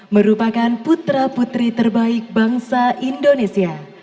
merupakan putra putri terbaik bangsa indonesia